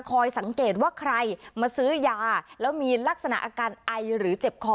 สังเกตว่าใครมาซื้อยาแล้วมีลักษณะอาการไอหรือเจ็บคอ